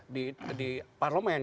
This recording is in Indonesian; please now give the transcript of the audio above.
di di di parlement